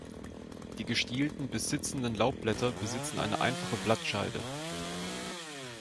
Die gestielten bis sitzenden Laubblätter besitzen eine einfache Blattscheide.